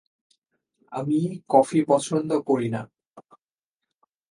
আমি কফি পছন্দ করি না।